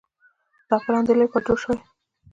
دا پلان د دې لپاره جوړ شوی